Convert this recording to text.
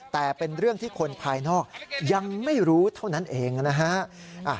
แต่เป็นเรื่องที่คนภายนอกยังไม่รู้เท่านั้นเองนะฮะ